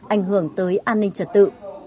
ảnh hưởng tới an ninh trật tự